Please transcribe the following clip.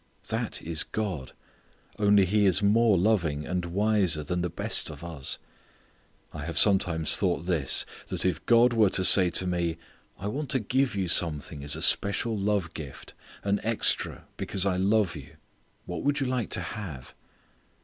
That is God, only He is more loving and wiser than the best of us. I have sometimes thought this: that if God were to say to me: "I want to give you something as a special love gift; an extra because I love you: what would you like to have?"